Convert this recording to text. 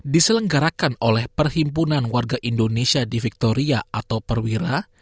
diselenggarakan oleh perhimpunan warga indonesia di victoria atau perwira